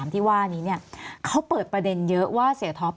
ที่ว่านี้เขาเปิดประเด็นเยอะว่าเสียท็อป